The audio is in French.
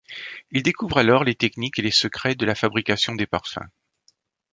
Il découvre alors les techniques et les secrets de la fabrication des parfums.